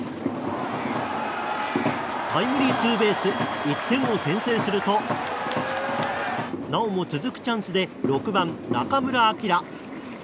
タイムリーツーベース１点を先制するとなおも続くチャンスで６番、中村晃。